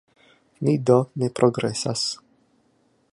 Ni do ne progresas.